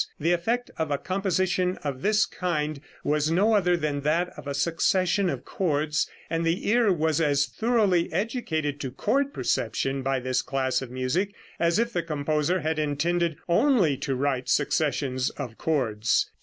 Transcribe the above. The effect of a composition of this kind was no other than that of a succession of chords, and the ear was as thoroughly educated to chord perception by this class of music as if the composer had intended only to write successions of chords.